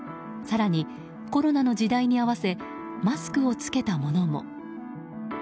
更にコロナの時代に合わせマスクを着けたものも。